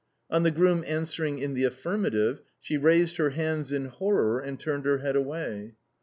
On the groom answering in the affirmative, she raised her hands in horror and turned her head away.